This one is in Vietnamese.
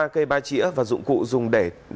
ba cây ba chĩa và dụng cụ dùng để